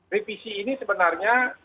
revisi ini sebenarnya